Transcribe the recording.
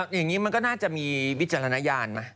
อย่างนี้มันก็น่าจะมีวิจารณญาณไหม